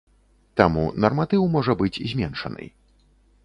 Таму нарматыў можа быць зменшаны.